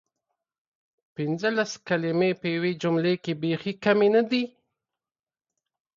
پنځلس کلمې په یوې جملې کې بیخې کمې ندي؟!